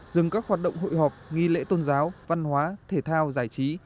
dừng các hoạt động hội họp nghi lễ tôn giáo văn hóa thể thao giải trí